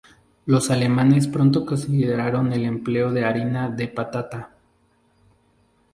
Los alemanes pronto consideraron el empleo de harina de patata.